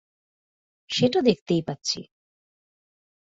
সেটা দেখতেই পাচ্ছি।